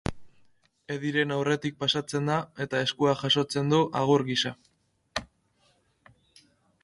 Edyren aurretik pasatzen da eta eskua jasotzen du agur gisa.